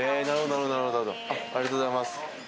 ありがとうございます。